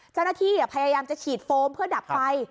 เจ้าหน้าที่พยายามจะฉีดโฟมเพื่อดับไฟ